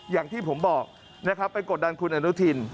อย่างที่ผมบอกไปกดดันคุณอนุทิน